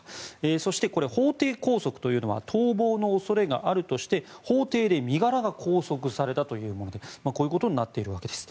そして、法廷拘束というのは逃亡の恐れがあるとして法廷で身柄が拘束されたというものでこういうことになっているわけです。